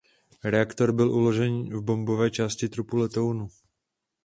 Reaktor byl uložen v bombové části trupu letounu.